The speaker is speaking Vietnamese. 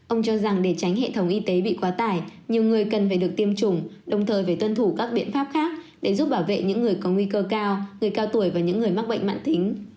ông cho rằng để tránh hệ thống y tế bị quá tải nhiều người cần phải được tiêm chủng đồng thời phải tuân thủ các biện pháp khác để giúp bảo vệ những người có nguy cơ cao người cao tuổi và những người mắc bệnh mạng tính